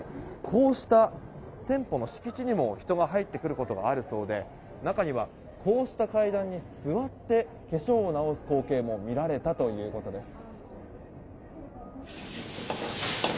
こうした店舗の敷地にも人が入ってくることがあるそうで中には、こうした階段に座って化粧を直す光景も見られたということです。